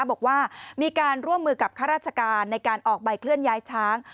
บอกว่ามีการร่วมมือกับข้าราชการในการออกใบเคลื่อนย้ายช้าง